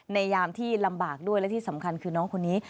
ยามที่ลำบากด้วยและที่สำคัญคือน้องคนนี้